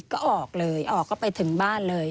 ก็ออกเลยออกก็ไปถึงบ้านเลย